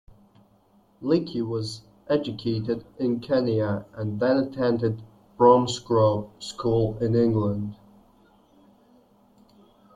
Leakey was educated in Kenya, and then attended Bromsgrove School in England.